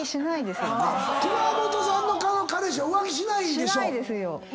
熊元さんの彼氏は浮気しないでしょ？